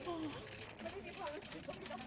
ต้องกำพักกำพัก